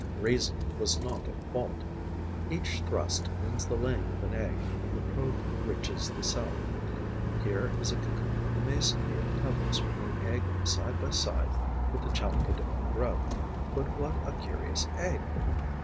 Reason was not at fault. Each thrust means the laying of an egg when the probe reaches the cell. Here is a cocoon of the Mason bee of the Pebbles with an egg side by side with the Chalicodoma grub. But what a curious egg!